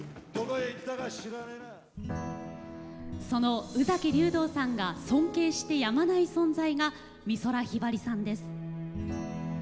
その宇崎竜童さんが尊敬してやまない存在が美空ひばりさんです。